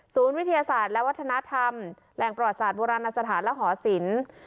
ศูนย์วิทยาศาสตร์และวัฒนธรรมแหล่งปรอสาทบูรณสถานและหอสิน